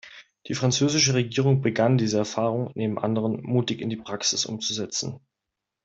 Die französische Regierung begann, diese Erfahrung, neben anderen, mutig in die Praxis umzusetzen.